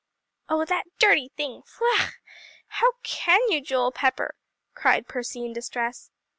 "Oh, that dirty thing faugh! How can you, Joel Pepper!" cried Percy in distress.